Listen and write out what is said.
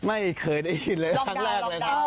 ไม่เคยได้ยินเลยทั้งเลิกเลยค่ะ